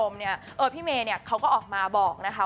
พี่เมย์เขาก็ออกมาบอกนะคะ